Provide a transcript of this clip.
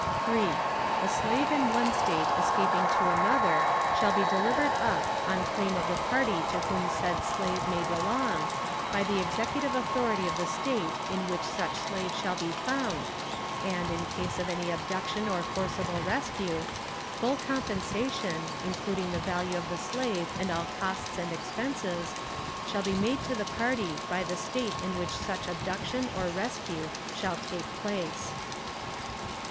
3. A slave in one State escaping to another shall be delivered up, on claim of the party to whom said slave may belong, by the Executive authority of the State in which such slave shall be found, and, in case of any abduction or forcible rescue, full compensation, including the value of the slave and all costs and expenses, shall be made to the party by the State in which such abduction or rescue shall take place.